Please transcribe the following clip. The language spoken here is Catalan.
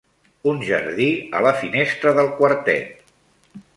Un jardí a la finestra del quartet